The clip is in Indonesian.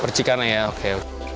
percikannya ya oke